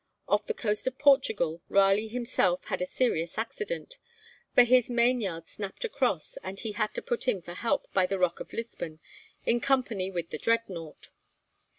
Off the coast of Portugal, Raleigh himself had a serious accident, for his mainyard snapped across, and he had to put in for help by the Rock of Lisbon, in company with the 'Dreadnought.'